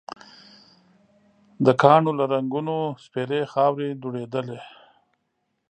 د کاڼو له رنګونو سپېرې خاورې دوړېدلې.